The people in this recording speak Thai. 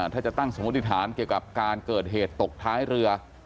ถ้าจะตั้งสมมติฐานเกี่ยวกับการเกิดเหตุตกท้ายเรือ